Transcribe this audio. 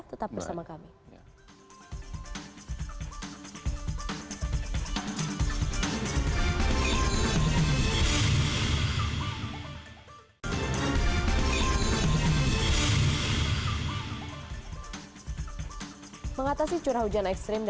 tetap bersama kami